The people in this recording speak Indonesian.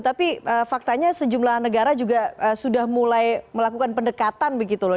tapi faktanya sejumlah negara juga sudah mulai melakukan pendekatan begitu loh